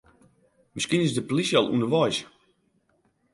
Miskien is de plysje al ûnderweis.